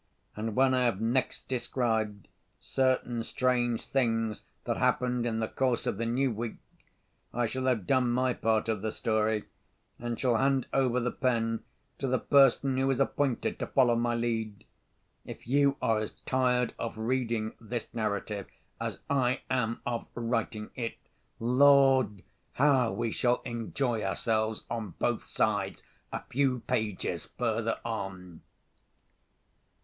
And when I have next described certain strange things that happened in the course of the new week, I shall have done my part of the Story, and shall hand over the pen to the person who is appointed to follow my lead. If you are as tired of reading this narrative as I am of writing it—Lord, how we shall enjoy ourselves on both sides a few pages further on!